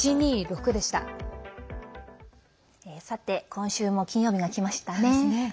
今週も金曜日がきましたね。